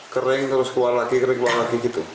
kering terus keluar lagi kering keluar lagi gitu